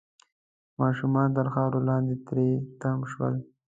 ماشومان تر خاورو لاندې تري تم شول